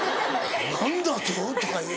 「何だと⁉」とかいう。